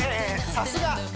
さすが！